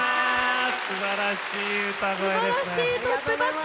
すばらしい歌声ですね。